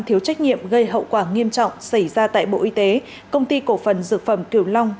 thiếu trách nhiệm gây hậu quả nghiêm trọng xảy ra tại bộ y tế công ty cổ phần dược phẩm kiều long